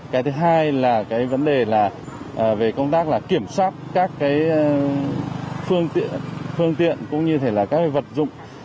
cái thứ hai là cái vấn đề là về công tác là kiểm soát các cái phương tiện cũng như thế là các vật dụng